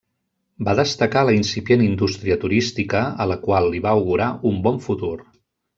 Va destacar la incipient indústria turística a la qual li va augurar un bon futur.